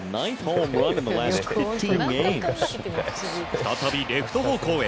再びレフト方向へ。